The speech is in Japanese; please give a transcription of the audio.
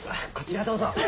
こちらどうぞ。